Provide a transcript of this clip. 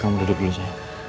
kamu duduk dulu saya